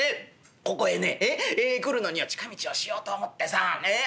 ここへね来るのには近道をしようと思ってさあ